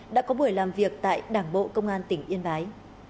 đã có buổi làm việc tại đảng bộ công an tỉnh yên bái